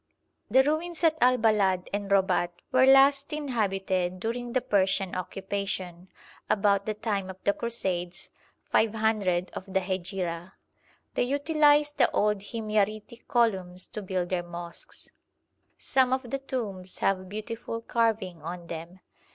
The ruins at Al Balad and Robat were last inhabited during the Persian occupation, about the time of the Crusades, 500 of the Hejira. They utilised the old Himyaritic columns to build their mosques. Some of the tombs have beautiful carving on them.